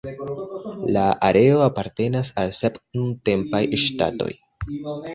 La areo apartenas al sep nuntempaj ŝtatoj.